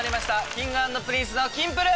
Ｋｉｎｇ＆Ｐｒｉｎｃｅの『キンプる。』！